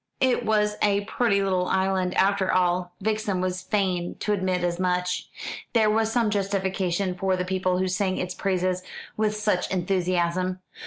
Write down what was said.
It was a pretty little island, after all; Vixen was fain to admit as much. There was some justification for the people who sang its praises with such enthusiasm.